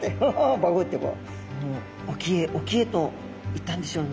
バグッてこう沖へ沖へと行ったんでしょうね。